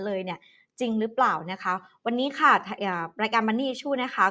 เลยเนี่ยจริงหรือเปล่านะคะวันนี้ค่ะอ่ารายการมันนี่ชูนะคะ